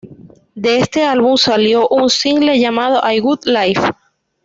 De este álbum salió un single llamado "I Got Life".